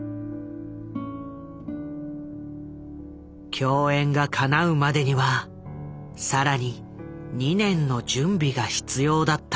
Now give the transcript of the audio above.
共演がかなうまでには更に２年の準備が必要だった。